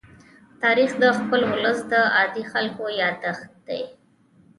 تاریخ د خپل ولس د عادي خلکو يادښت دی.